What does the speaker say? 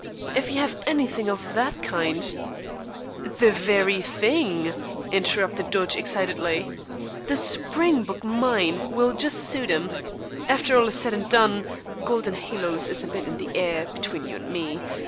If you have anything of that kind " "The very thing," interrupted Dodge excitedly. "The Springbok Mine will just suit 'em. After all is said and done, Golden Halos are a bit in the air, between you and me.